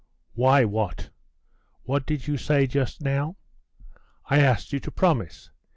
'Why, what? What did you say just now?' 'I asked you to promise.